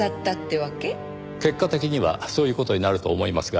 結果的にはそういう事になると思いますが。